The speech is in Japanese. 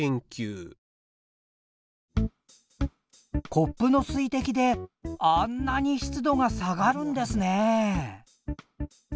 コップの水滴であんなに湿度が下がるんですね！